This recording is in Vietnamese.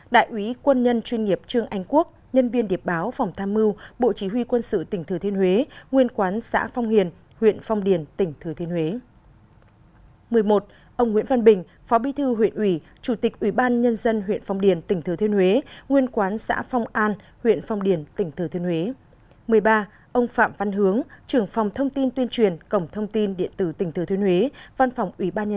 một mươi một đại ủy quân nhân chuyên nghiệp trương anh quốc nhân viên điệp báo phòng tham mưu bộ chỉ huy quân sự tỉnh thứ thiên huế nguyên quán xã phong hiền huyện phong điền tỉnh thứ thiên huế